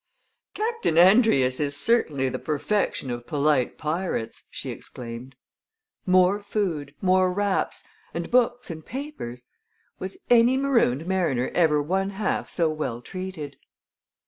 "Captain Andrius is certainly the perfection of polite pirates," she exclaimed. "More food more wraps and books and papers! Was any marooned mariner ever one half so well treated?"